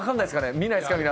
見ないですか？